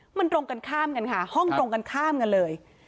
มันตรงกันข้ามกันค่ะห้องตรงกันข้ามกันเลย